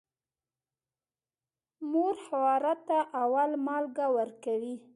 مور خواره ته اول مالګه ورکوي.